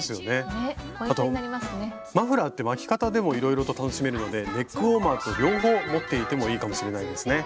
マフラーって巻き方でもいろいろと楽しめるのでネックウォーマーと両方持っていてもいいかもしれないですね。